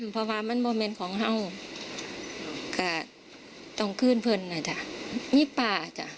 พอวามันบ่เมนของเข้าก็ต้องคืนเพลินนะจ๊ะนี่ป่าจ๊ะ